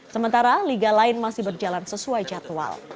sementara liga lain masih berjalan sesuai jadwal